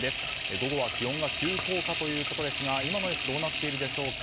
午後は気温が急降下ということですが今の様子どうなっているでしょうか。